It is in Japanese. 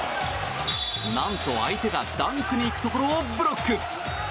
何と、相手がダンクに行くところをブロック。